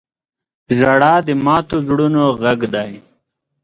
• ژړا د ماتو زړونو غږ دی.